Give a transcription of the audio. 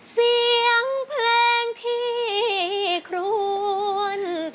เสียงเพลงที่ครวน